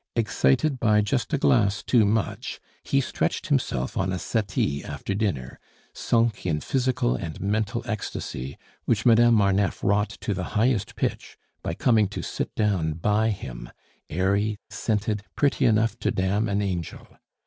Excited by just a glass too much, he stretched himself on a settee after dinner, sunk in physical and mental ecstasy, which Madame Marneffe wrought to the highest pitch by coming to sit down by him airy, scented, pretty enough to damn an angel.